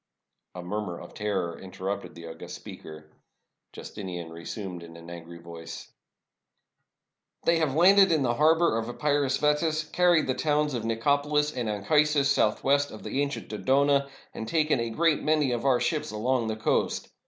A murmur of terror interrupted the august speaker. Justinian resumed in an angry voice :— "They have landed in the harbor of Epirus vetus, carried the towns Nicopolis and Anchisus, southwest of the ancient Dodona, and taken a great many of our ships along the coast.